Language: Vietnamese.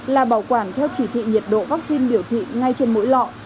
là bảo quản theo chỉ thị nhiệt độ vaccine biểu thị ngay trên mỗi lọ